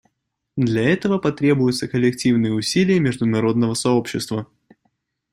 Для этого потребуются коллективные усилия международного сообщества.